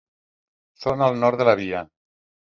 Són al nord de la Via.